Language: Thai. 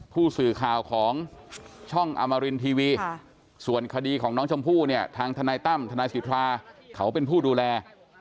ผู้สื่อข่าวของช่องอมรินทีวีส่วนคดีของน้องชมพู่เนี่ยทางทนายตั้มทนายสิทธาเขาเป็นผู้ดูแล